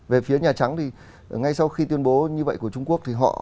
về phía nhà trắng thì ngay sau khi tuyên bố như vậy của trung quốc